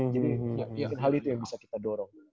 jadi mungkin hal itu yang bisa kita dorong